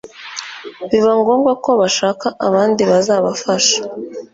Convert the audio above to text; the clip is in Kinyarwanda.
biba ngombwa ko bashaka abandi bazabafasha